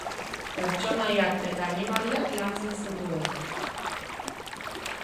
Pertsonaiak eta animaliak lantzen zituen.